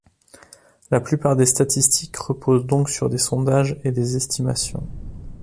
La plupart des statistiques reposent donc sur des sondages et des estimations.